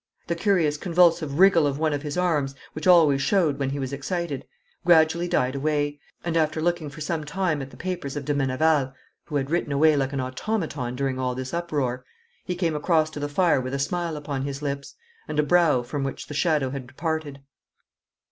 The curious convulsive wriggle of one of his arms, which always showed when he was excited, gradually died away, and after looking for some time at the papers of de Meneval who had written away like an automaton during all this uproar he came across to the fire with a smile upon his lips, and a brow from which the shadow had departed.